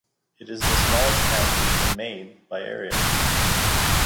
It is the smallest county in Maine by area.